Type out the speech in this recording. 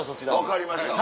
分かりました。